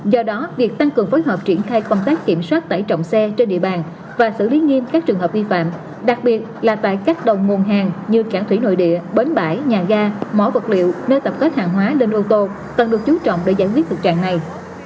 do đó việc tăng cường phối hợp triển khai công tác kiểm soát tải trọng xe trên địa bàn và xử lý nghiêm các trường hợp vi phạm đặc biệt là tại các đầu nguồn hàng như cảng thủy nội địa bến bãi nhà ga mỏ vật liệu nơi tập kết hàng hóa lên ô tô cần được chú trọng để giải quyết thực trạng này